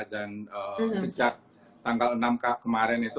dan sejak tanggal enam kemarin itu